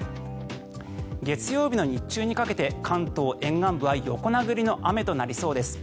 月曜日の日中にかけて関東沿岸部は横殴りの雨となりそうです。